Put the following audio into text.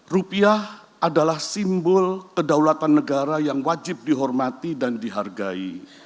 rupiah adalah simbol kedaulatan negara yang wajib dihormati dan dihargai